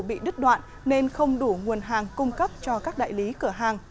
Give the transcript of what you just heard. bị đứt đoạn nên không đủ nguồn hàng cung cấp cho các đại lý cửa hàng